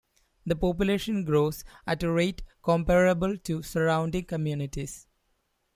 The population grows at a rate comparable to surrounding communities.